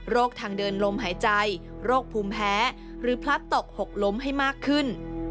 ทางเดินลมหายใจโรคภูมิแพ้หรือพลัดตกหกล้มให้มากขึ้น